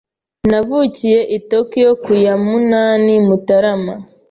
Navukiye i Tokiyo ku ya munani Mutarama